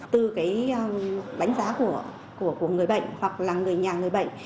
từ cái đánh giá của người bệnh hoặc là người nhà người bệnh